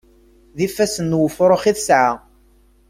D ifassen n wefṛux i tesɛa.